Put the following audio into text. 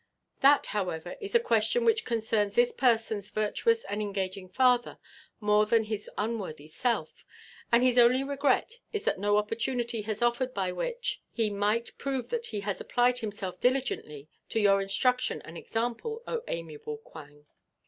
That, however, is a question which concerns this person's virtuous and engaging father more than his unworthy self, and his only regret is that no opportunity has offered by which he might prove that he has applied himself diligently to your instruction and example, O amiable Quang."